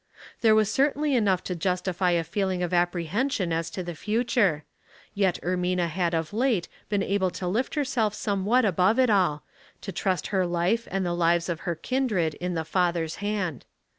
There was certainly enough to justify a feeling of apprehension as to the future, yet Ermina had of late been able to lift herself somewhat above it all, to trust her life and the lives of her kindred in the Father's hand.